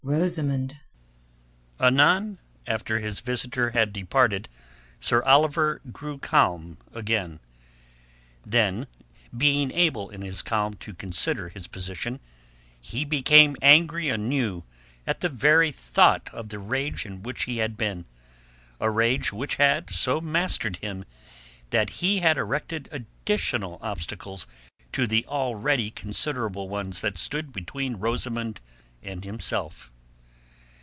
ROSAMUND Anon, after his visitor had departed, Sir Oliver grew calm again. Then being able in his calm to consider his position, he became angry anew at the very thought of the rage in which he had been, a rage which had so mastered him that he had erected additional obstacles to the already considerable ones that stood between Rosamund and himself.